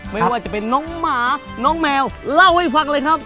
ไม่ว่าจะเป็นน้องหมาน้องแมวเล่าให้ฟังเลยครับ